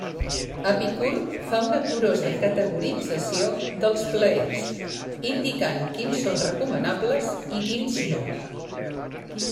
Epicur fa una curosa categorització dels plaers, indicant quins són recomanables i quins no.